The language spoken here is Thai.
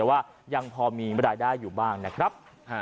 แต่ว่ายังพอมีรายได้อยู่บ้างนะครับ